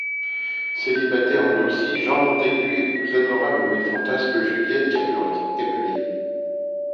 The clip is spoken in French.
Célibataire endurci, Jean Montaigu épouse l'adorable mais fantasque Juliette Capulet.